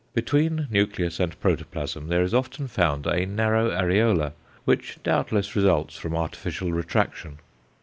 Between nucleus and protoplasm there is often found a narrow areola, which doubtless results from artificial retraction.